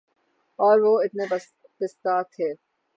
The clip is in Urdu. اور وہ اتنے پستہ تھے